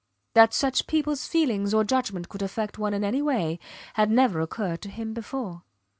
That such peoples feelings or judgment could affect one in any way, had never occurred to him before.